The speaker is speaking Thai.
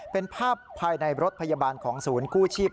เป็นภาพภายในรถพยาบาลของศูนย์กู้ชีพ